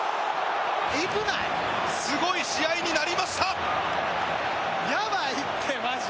すごい試合になりました！